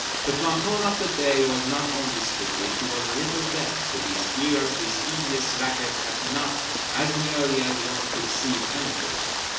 The planton of the day was not only stupid—he was a little deaf; to his ears this hideous racket had not, as nearly as one could see, penetrated.